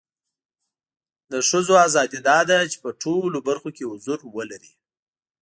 د خځو اذادی دا ده چې په ټولو برخو کې حضور ولري